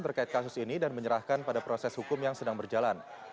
terkait kasus ini dan menyerahkan pada proses hukum yang sedang berjalan